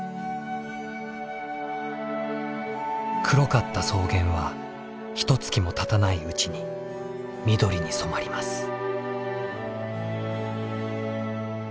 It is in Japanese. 黒かった草原はひとつきもたたないうちに緑に染まります。